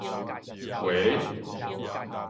喂